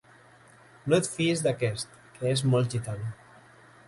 No et fiïs d'aquest, que és molt gitano.